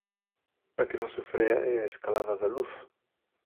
A que non se frea é a escalada da luz.